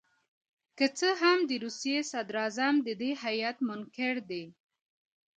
که څه هم د روسیې صدراعظم د دې هیات منکر دي.